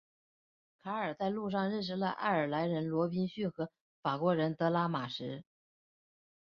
卡尔在路上认识了爱尔兰人罗宾逊和法国人德拉马什。